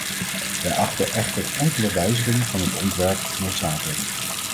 Wij achten echter enkele wijzigingen van het ontwerp noodzakelijk.